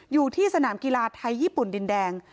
อยู่ที่สนามกีฬาไทยญี่ปุ่นดินแดง